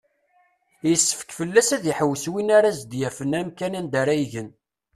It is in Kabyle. Yessefk fell-as ad iḥewwes win ara as-d-yafen amkan anda ara igen.